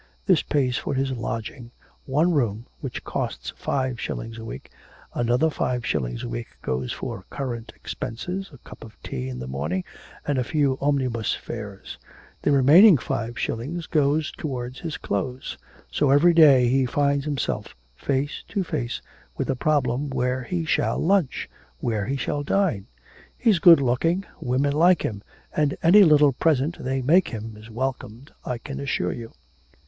This pays for his lodging one room, which costs five shillings a week another five shillings a week goes for current expenses, a cup of tea in the morning, and a few omnibus fares; the remaining five shillings goes towards his clothes. So every day he finds himself face to face with the problem where he shall lunch, where he shall dine. He's good looking, women like him, and any little present they make him is welcomed, I can assure you.